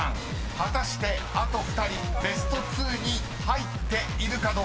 果たしてあと２人ベスト２に入っているかどうか？］